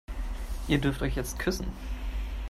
Ihr dürft euch jetzt küssen.